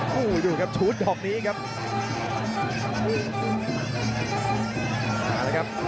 แบบฉุดออกนี้ครับ